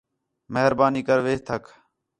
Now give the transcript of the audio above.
مہربانی کر وِہ تھک